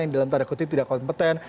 yang di lantar kutip tidak kompeten